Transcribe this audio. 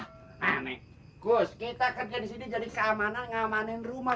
kus kita kerja disini jadi keamanan ngamenin rumah